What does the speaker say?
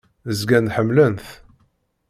Zgan ḥemmlen-t.